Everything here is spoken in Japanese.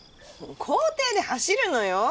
校庭で走るのよ？